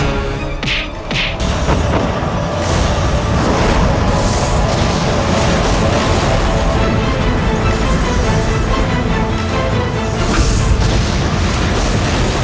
kau tak bisa